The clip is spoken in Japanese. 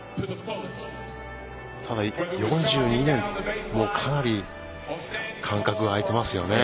ただ、４２年もかなり間隔が開いてますよね。